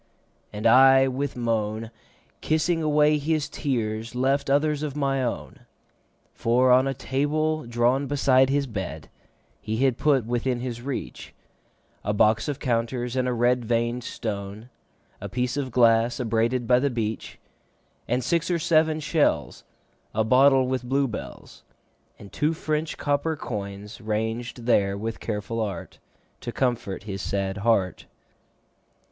And I, with moan, Kissing away his tears, left others of my own; For, on a table drawn beside his head, He had put, within his reach, 15 A box of counters and a red vein'd stone, A piece of glass abraded by the beach, And six or seven shells, A bottle with bluebells, And two French copper coins, ranged there with careful art, 20 To comfort his sad heart.